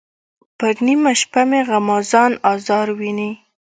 پر نیمه شپه مې غمازان آزار ویني.